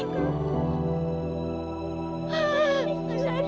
lara juga tante